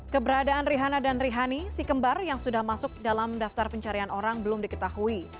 keberadaan rihana dan rihani si kembar yang sudah masuk dalam daftar pencarian orang belum diketahui